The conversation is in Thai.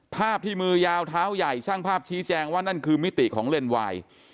ภาพที่มือยาวเท้าใหญ่ช่างภาพชี้แจงว่านั่นคือมิติของเลนวาย